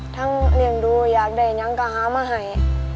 ทั้งเหนียงดูอยากได้ยังก็หามาให้